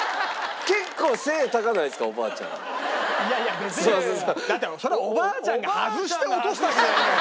いやいやだってそれはおばあちゃんが外して落としたわけじゃないんだから。